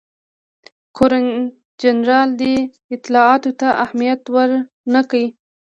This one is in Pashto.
ګورنرجنرال دې اطلاعاتو ته اهمیت ورنه کړ.